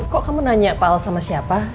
kok kamu nanya pak al sama siapa